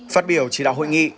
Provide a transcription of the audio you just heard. phát biểu chỉ đạo hội nghị